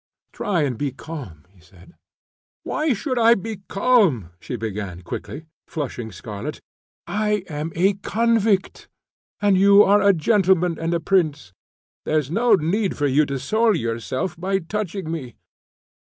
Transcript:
"Try and be calm," he said. "Why should I be calm?" she began, quickly, flushing scarlet. "I am a convict, and you are a gentleman and a prince. There's no need for you to soil yourself by touching me.